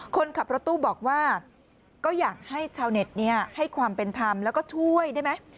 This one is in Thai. คนขับรถตู้บอกว่าก็อยากให้ชาวเน็ตให้ความเป็นธรรมแล้วก็ช่วยได้ไหม